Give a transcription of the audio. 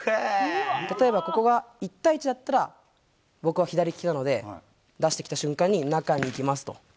例えばここが１対１だったら、僕は左利きなので、出してきた瞬間に、中に行きますと。